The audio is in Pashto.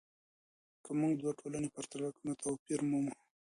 که موږ دوه ټولنې پرتله کړو نو توپیر مومو.